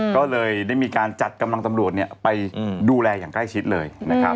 ก็เลยได้มีการจัดกำลังตำรวจไปดูแลอย่างใกล้ชิดเลยนะครับ